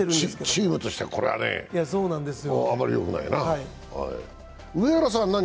チームとしてこれはね、あまりよくないな。